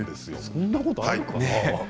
そんなことあるのかな？